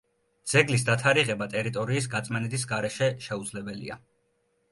ძეგლის დათარიღება ტერიტორიის გაწმენდის გარეშე შეუძლებელია.